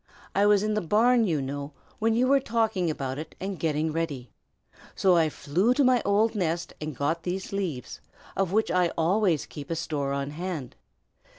I was in the barn, you know, when you were talking about it, and getting ready. So I flew to my old nest and got these leaves, of which I always keep a store on hand.